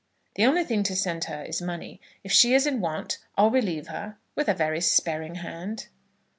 "The only thing to send her is money. If she is in want, I'll relieve her, with a very sparing hand."